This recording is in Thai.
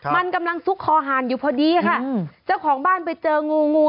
มันกำลังซุกคอหารอยู่พอดีค่ะเจ้าของบ้านไปเจองูงู